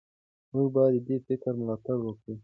موږ باید د دې فکر ملاتړ وکړو.